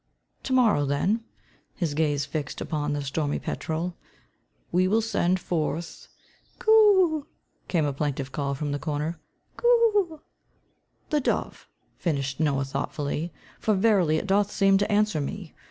To morrow, then," his gaze fixed upon the stormy petrel, "we will send forth " "Coo o o" came a plaintive call from the corner. "Coo o o." "The dove," finished Noah, thoughtfully, "for verily it doth seem to answer me.